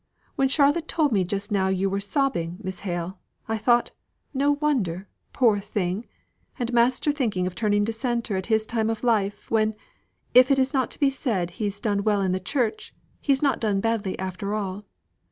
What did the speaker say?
When Charlotte told me just now you were sobbing, Miss Hale, I thought, no wonder, poor thing! And master thinking of turning Dissenter at his time of life, when, if it is not to be said he's done well in the Church, he's not done badly after all.